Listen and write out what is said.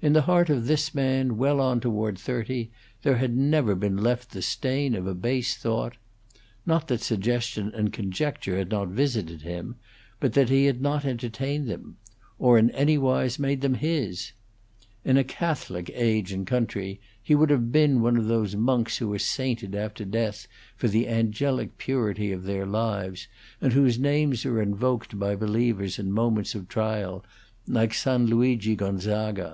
In the heart of this man well on toward thirty there had never been left the stain of a base thought; not that suggestion and conjecture had not visited him, but that he had not entertained them, or in any wise made them his. In a Catholic age and country, he would have been one of those monks who are sainted after death for the angelic purity of their lives, and whose names are invoked by believers in moments of trial, like San Luigi Gonzaga.